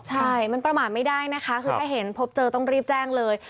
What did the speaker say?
ใช่มันประมาทไม่ได้นะคะคือถ้าเห็นพบเจอต้องรีบแจ้งเลย